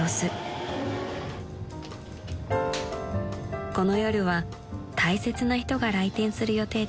［この夜は大切な人が来店する予定でした］